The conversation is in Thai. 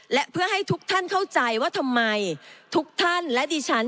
และเพื่อให้ทุกท่านเข้าใจว่าทำไมทุกท่านและดิฉัน